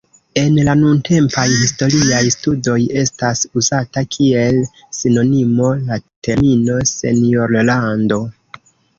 En la nuntempaj historiaj studoj estas uzata kiel sinonimo la termino "senjorlando".